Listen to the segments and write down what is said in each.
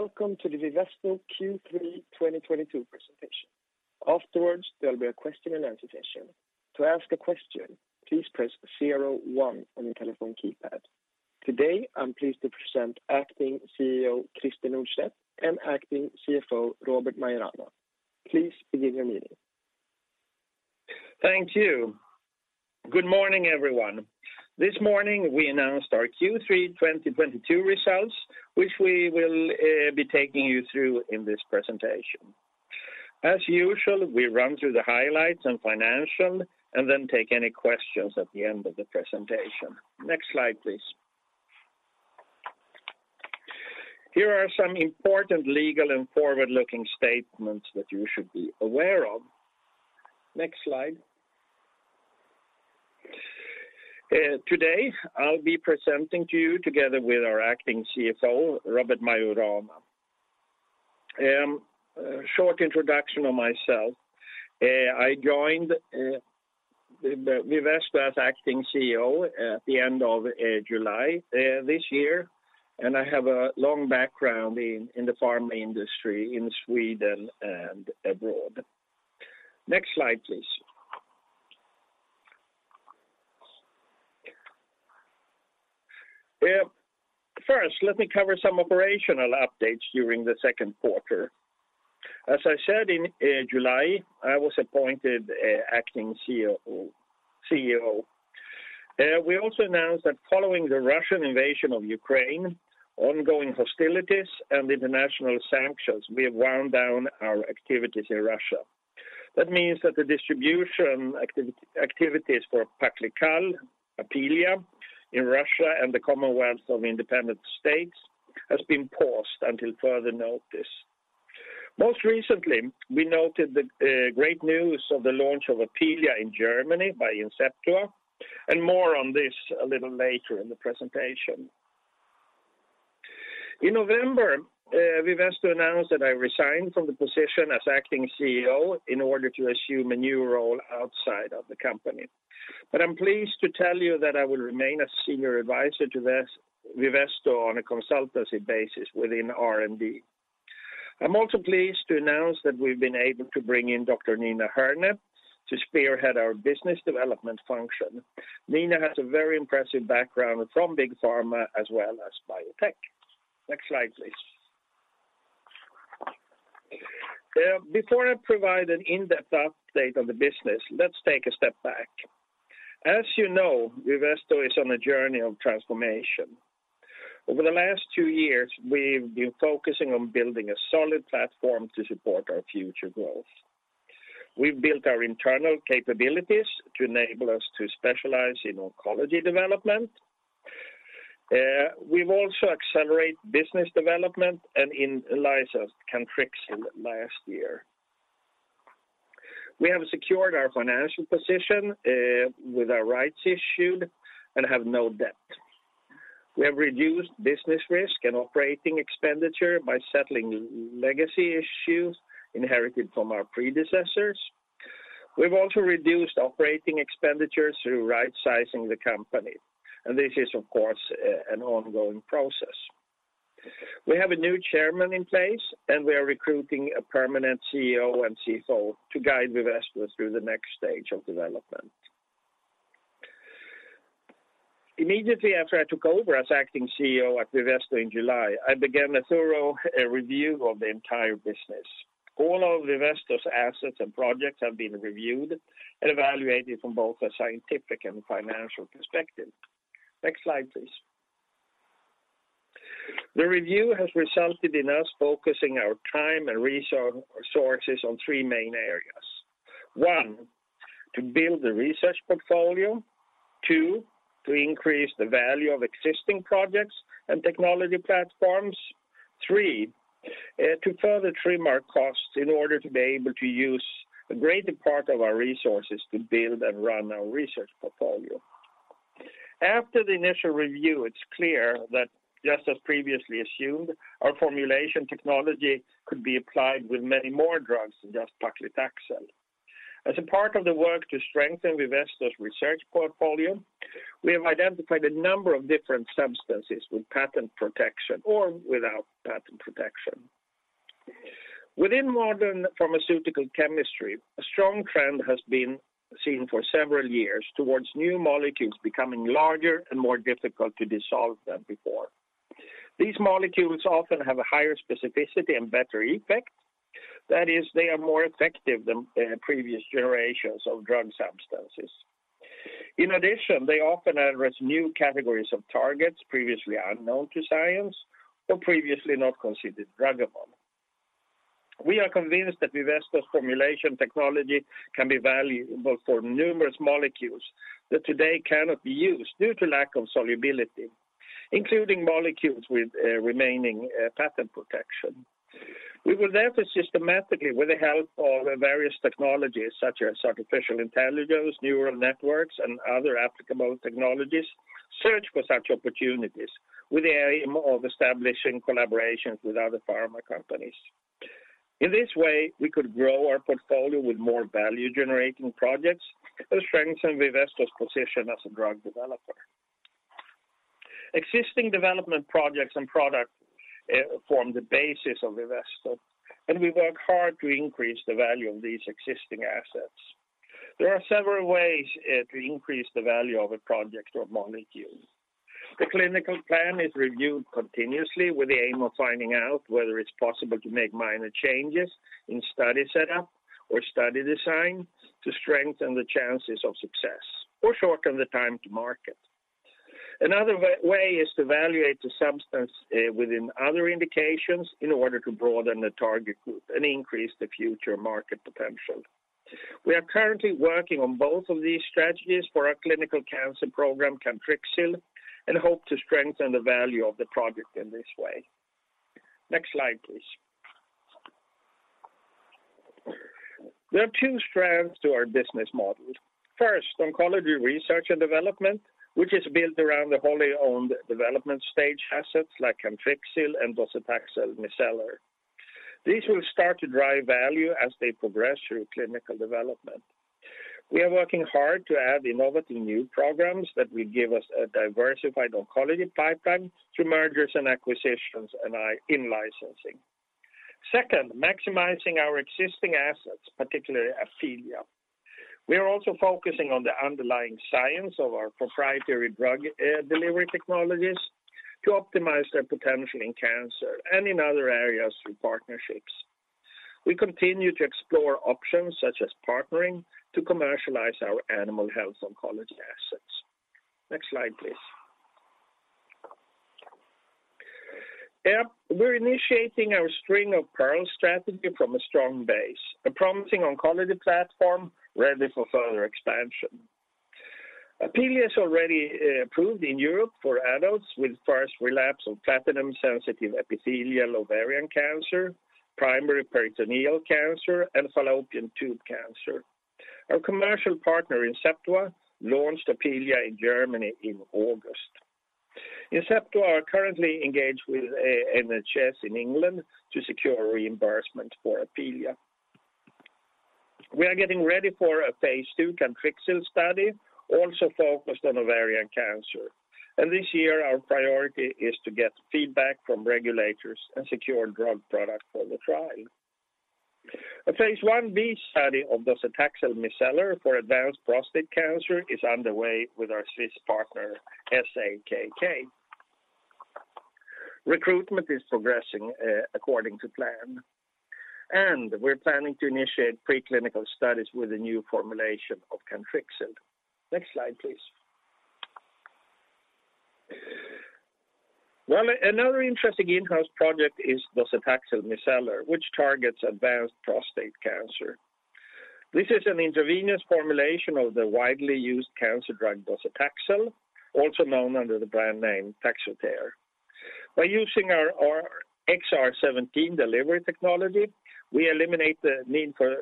Welcome to the Vivesto Q3 2022 presentation. Afterwards, there'll be a question and answer session. To ask a question, please press zero one on your telephone keypad. Today, I'm pleased to present Acting CEO, Christer Nordstedt, and Acting CFO, Robert Maiorana. Please begin your meeting. Thank you. Good morning, everyone. This morning, we announced our Q3 2022 results, which we will be taking you through in this presentation. As usual, we run through the highlights and financials, and then take any questions at the end of the presentation. Next slide, please. Here are some important legal and forward-looking statements that you should be aware of. Next slide. Today, I'll be presenting to you together with our Acting CFO, Robert Maiorana. A short introduction of myself. I joined the Vivesto as Acting CEO at the end of July this year, and I have a long background in the pharma industry in Sweden and abroad. Next slide, please. First, let me cover some operational updates during the second quarter. As I said in July, I was appointed Acting CEO. We also announced that following the Russian invasion of Ukraine, ongoing hostilities and international sanctions, we have wound down our activities in Russia. That means that the distribution activities for Paccal Vet, Apealea in Russia and the Commonwealth of Independent States has been paused until further notice. Most recently, we noted the great news of the launch of Apealea in Germany by Inceptua, and more on this a little later in the presentation. In November, Vivesto announced that I resigned from the position as Acting CEO in order to assume a new role outside of the company. I'm pleased to tell you that I will remain a Senior Advisor to Vivesto on a consultancy basis within R&D. I'm also pleased to announce that we've been able to bring in Dr. Nina Herne to spearhead our business development function. Nina has a very impressive background from Big Pharma as well as biotech. Next slide, please. Before I provide an in-depth update of the business, let's take a step back. As you know, Vivesto is on a journey of transformation. Over the last two years, we've been focusing on building a solid platform to support our future growth. We've built our internal capabilities to enable us to specialize in oncology development. We've also accelerated business development and in-licensed Cantrixil last year. We have secured our financial position with our rights issue and have no debt. We have reduced business risk and operating expenditure by settling legacy issues inherited from our predecessors. We've also reduced operating expenditures through right-sizing the company, and this is of course an ongoing process. We have a new Chairman in place, and we are recruiting a permanent CEO and CFO to guide Vivesto through the next stage of development. Immediately after I took over as Acting CEO at Vivesto in July, I began a thorough review of the entire business. All of Vivesto's assets and projects have been reviewed and evaluated from both a scientific and financial perspective. Next slide, please. The review has resulted in us focusing our time and resources on three main areas. One, to build the research portfolio. two, to increase the value of existing projects and technology platforms. Three, to further trim our costs in order to be able to use a greater part of our resources to build and run our research portfolio. After the initial review, it's clear that just as previously assumed, our formulation technology could be applied with many more drugs than just paclitaxel. As a part of the work to strengthen Vivesto's research portfolio, we have identified a number of different substances with patent protection or without patent protection. Within modern pharmaceutical chemistry, a strong trend has been seen for several years towards new molecules becoming larger and more difficult to dissolve than before. These molecules often have a higher specificity and better effect. That is, they are more effective than previous generations of drug substances. In addition, they often address new categories of targets previously unknown to science or previously not considered druggable. We are convinced that Vivesto's formulation technology can be valuable for numerous molecules that today cannot be used due to lack of solubility, including molecules with remaining patent protection. We will therefore systematically with the help of various technologies such as artificial intelligence, neural networks, and other applicable technologies, search for such opportunities with the aim of establishing collaborations with other pharma companies. In this way, we could grow our portfolio with more value-generating projects and strengthen Vivesto's position as a drug developer. Existing development projects and product form the basis of Vivesto, and we work hard to increase the value of these existing assets. There are several ways to increase the value of a project or molecule. The clinical plan is reviewed continuously with the aim of finding out whether it's possible to make minor changes in study setup or study design to strengthen the chances of success or shorten the time to market. Another way is to evaluate the substance within other indications in order to broaden the target group and increase the future market potential. We are currently working on both of these strategies for our clinical cancer program Cantrixil and hope to strengthen the value of the project in this way. Next slide, please. There are two strands to our business model. First, oncology research and development, which is built around the wholly owned development stage assets like Cantrixil and Docetaxel Micellar. These will start to drive value as they progress through clinical development. We are working hard to add innovative new programs that will give us a diversified oncology pipeline through mergers and acquisitions and in-licensing. Second, maximizing our existing assets, particularly Apealea. We are also focusing on the underlying science of our proprietary drug delivery technologies to optimize their potential in cancer and in other areas through partnerships. We continue to explore options such as partnering to commercialize our animal health oncology assets. Next slide, please. Yeah. We're initiating our string of pearls strategy from a strong base, a promising oncology platform ready for further expansion. Apealea is already approved in Europe for adults with first relapse of platinum-sensitive epithelial ovarian cancer, primary peritoneal cancer, and fallopian tube cancer. Our commercial partner, Inceptua, launched Apealea in Germany in August. Inceptua are currently engaged with NHS in England to secure reimbursement for Apealea. We are getting ready for a phase II Cantrixil study also focused on ovarian cancer. This year, our priority is to get feedback from regulators and secure drug product for the trial. A phase Ib study of Docetaxel Micellar for advanced prostate cancer is underway with our Swiss partner, SAKK. Recruitment is progressing according to plan, and we're planning to initiate preclinical studies with a new formulation of Cantrixil. Next slide, please. Well, another interesting in-house project is Docetaxel Micellar, which targets advanced prostate cancer. This is an intravenous formulation of the widely used cancer drug Docetaxel, also known under the brand name Taxotere. By using our XR17 delivery technology, we eliminate the need for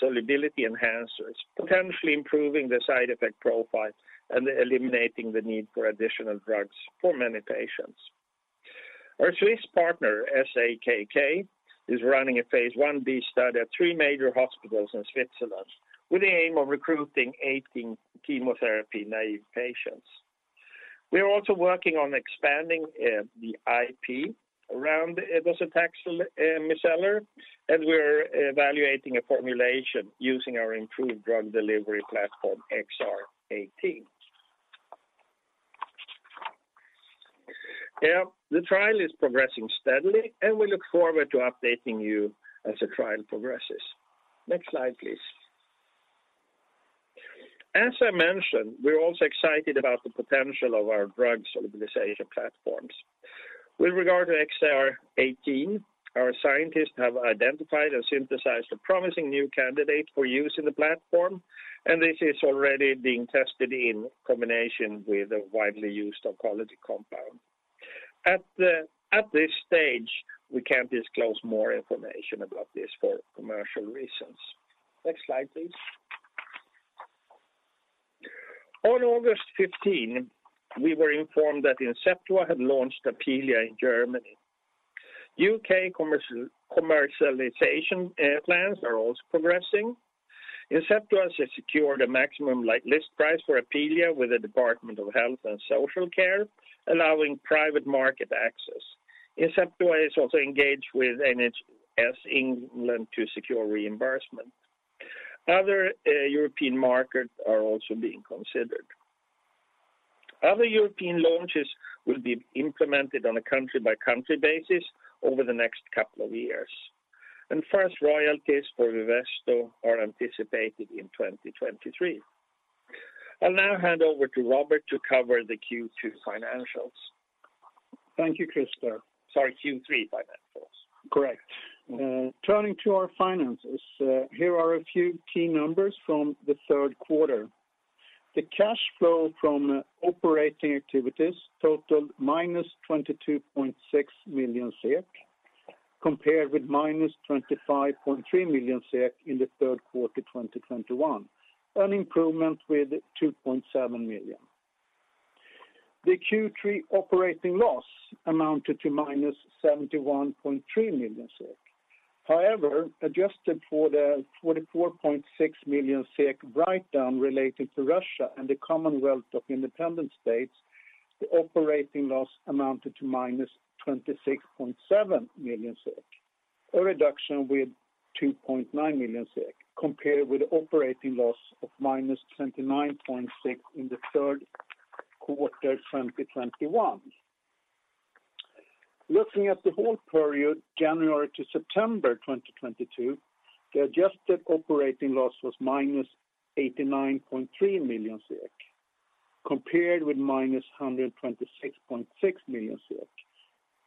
solubility enhancers, potentially improving the side effect profile and eliminating the need for additional drugs for many patients. Our Swiss partner, SAKK, is running a phase 1b study at three major hospitals in Switzerland with the aim of recruiting 18 chemotherapy naive patients. We are also working on expanding, uh, the IP around the Docetaxel Micellar, and we're evaluating a formulation using our improved drug delivery platform XR18. Yeah. The trial is progressing steadily, and we look forward to updating you as the trial progresses. Next slide, please. As I mentioned, we're also excited about the potential of our drug solubilization platforms. With regard to XR18, our scientists have identified and synthesized a promising new candidate for use in the platform, and this is already being tested in combination with a widely used oncology compound. At the-- at this stage, we can't disclose more information about this for commercial reasons. Next slide, please. On August 15, we were informed that Inceptua had launched Apealea in Germany. U.K. commercialization, uh, plans are also progressing. Inceptua has secured a maximum list price for Apealea with the Department of Health and Social Care, allowing private market access. Inceptua is also engaged with NHS England to secure reimbursement. Other European markets are also being considered. Other European launches will be implemented on a country-by-country basis over the next couple of years. First royalties for Vivesto are anticipated in 2023. I'll now hand over to Robert to cover the Q2 financials. Thank you, Christer. Sorry, Q3 financials. Correct. Turning to our finances. Here are a few key numbers from the third quarter. The cash flow from operating activities totaled -22.6 million SEK, compared with -25.3 million SEK in the third quarter 2021, an improvement with 2.7 million. The Q3 operating loss amounted to -71.3 million SEK. However, adjusted for the 44.6 million SEK write-down related to Russia and the Commonwealth of Independent States, the operating loss amounted to -26.7 million SEK, a reduction with 2.9 million SEK compared with operating loss of -29.6 in the third quarter 2021. Looking at the whole period January to September 2022, the adjusted operating loss was -89.3 million SEK compared with -126.6 million SEK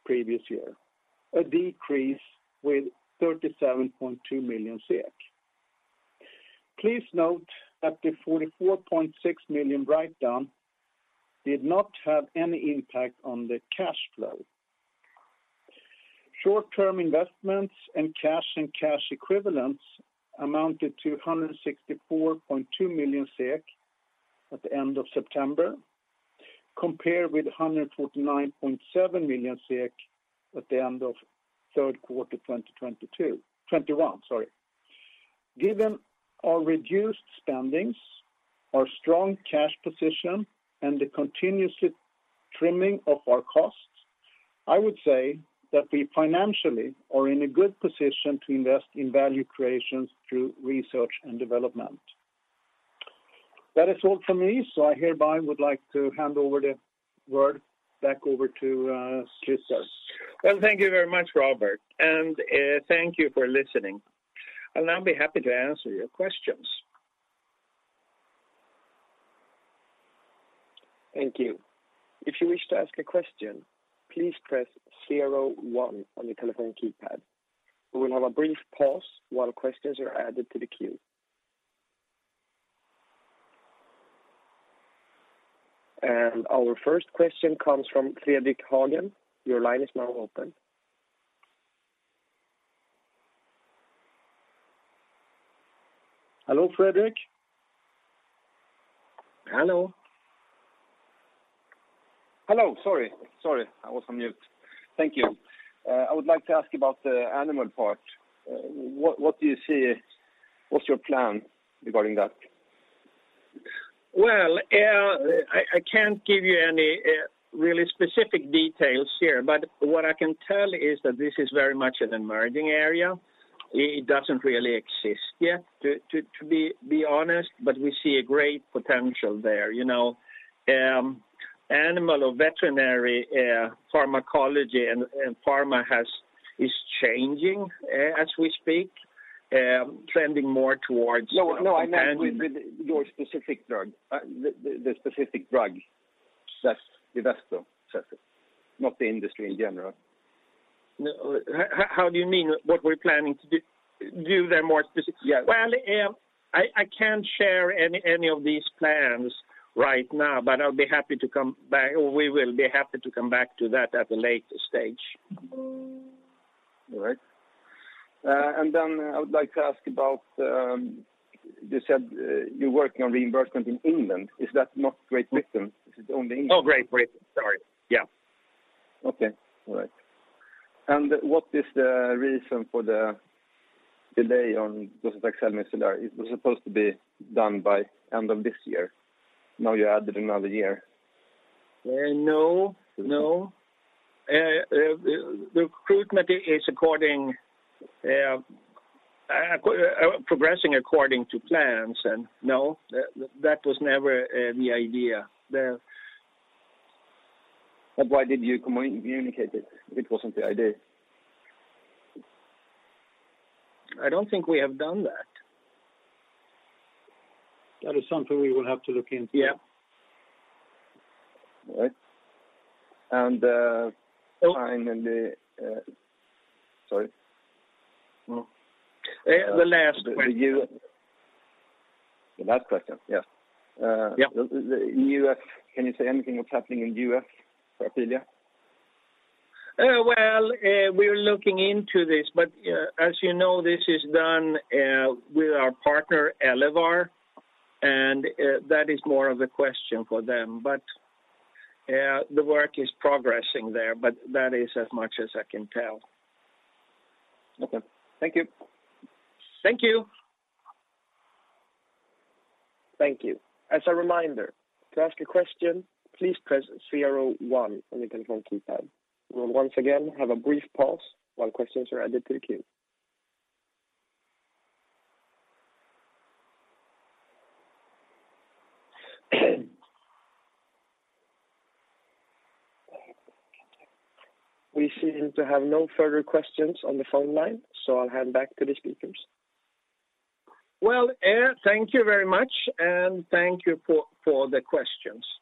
previous year, a decrease with 37.2 million SEK. Please note that the 44.6 million write-down did not have any impact on the cash flow. Short-term investments and cash and cash equivalents amounted to 164.2 million SEK at the end of September, compared with 149.7 million SEK at the end of third quarter 2022, 2021, sorry. Given our reduced spendings, our strong cash position, and the continuous trimming of our costs, I would say that we financially are in a good position to invest in value creations through research and development. That is all for me, so I hereby would like to hand over the word back over to Christer. Well, thank you very much, Robert. Thank you for listening. I'll now be happy to answer your questions. Thank you. If you wish to ask a question, please press zero one on your telephone keypad. We will have a brief pause while questions are added to the queue. Our first question comes from Fredrik Järrsten. Your line is now open. Hello, Fredrik. Hello? Hello. Sorry. I was on mute. Thank you. I would like to ask about the animal part. What's your plan regarding that? Well, I can't give you any really specific details here, but what I can tell is that this is very much an emerging area. It doesn't really exist yet to be honest, but we see a great potential there. You know, animal or veterinary pharmacology and pharma is changing as we speak. No, I meant with your specific drug. The specific drug, Paccal Vet, not the industry in general. No. How do you mean what we're planning to do? Do the more specific. Yeah. Well, I can't share any of these plans right now, but I'll be happy to come back or we will be happy to come back to that at a later stage. All right. I would like to ask about, you said you're working on reimbursement in England. Is that not Great Britain? Is it only England? Oh, Great Britain. Sorry. Yeah. Okay. All right. What is the reason for the delay on Docetaxel Micellar? It was supposed to be done by end of this year. Now you added another year. No. The recruitment is progressing according to plans, and no, that was never the idea. Why did you communicate it if it wasn't the idea? I don't think we have done that. That is something we will have to look into. Yeah. All right. Oh. Finally. Sorry. The last question. The U.S. The last question. Yeah. Yeah. Can you say anything what's happening in U.S. for Apealea? Well, we're looking into this, but as you know, this is done with our partner Elevar, and that is more of a question for them. The work is progressing there, but that is as much as I can tell. Okay. Thank you. Thank you. Thank you. As a reminder, to ask a question, please press zero one on your telephone keypad. We will once again have a brief pause while questions are added to the queue. We seem to have no further questions on the phone line, so I'll hand back to the speakers. Well, thank you very much, and thank you for the questions.